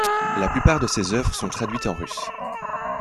La plupart de ses œuvres sont traduites en russe.